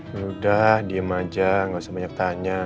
sudah diem aja gak usah banyak tanya